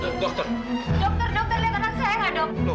dokter dokter lihat tangan saya nggak dok